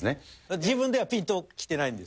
自分ではぴんときてないんです。